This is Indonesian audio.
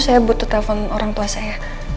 saya butuh telepon orang tua saya